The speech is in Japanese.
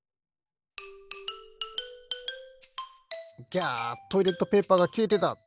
ギャトイレットペーパーがきれてた！